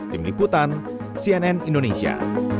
tim liputan cnn indonesia